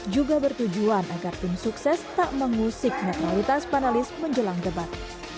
juga bertujuan agar tim sukses tak mengusik netralitas panelis menjelang debat